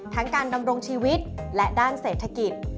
การดำรงชีวิตและด้านเศรษฐกิจ